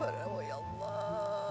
ampuni hamba ya allah